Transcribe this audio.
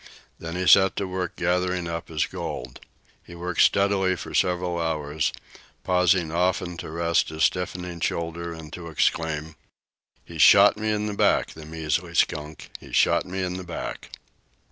Then he set to work gathering up his gold. He worked steadily for several hours, pausing often to rest his stiffening shoulder and to exclaim: "He shot me in the back, the measly skunk! He shot me in the back!"